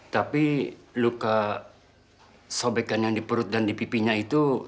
tapi luka sobekannya di perut dan di pipinya itu